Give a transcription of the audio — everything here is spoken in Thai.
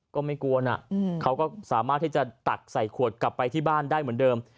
ก็ไม่กลัวนะเขาก็สามารถที่จะตักใส่ขวดกลับไปที่บ้านได้เหมือนเดิม